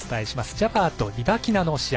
ジャバーとリバキナの試合。